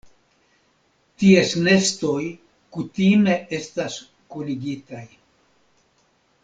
Ties nestoj kutime estas kunigitaj.